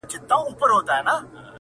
• دغه وخت به ښکاري کش کړل تناوونه -